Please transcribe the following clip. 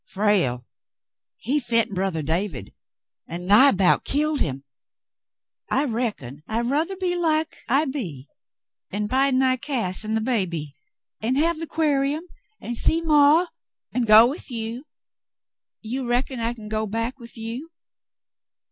Frale, he fit brothah David — an' nigh about killed him. I reckon I rutheh be like I be, an' bide nigh Cass an' th' baby — an' have the 'quar'um — an' see maw — an' go with you. You reckon I can go back with you